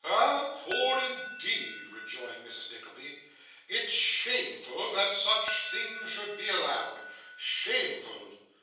'Ah! poor indeed!' rejoined Mrs. Nickleby. 'It's shameful that such things should be allowed. Shameful!